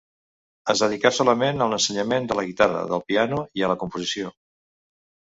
Es dedicà solament a l'ensenyament de la guitarra, del piano i a la composició.